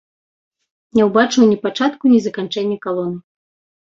Не ўбачыў ні пачатку, ні заканчэння калоны.